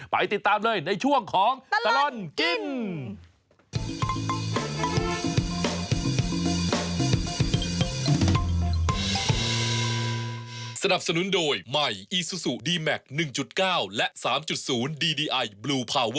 ไปติดตามเลยในช่วงของตลอดกิน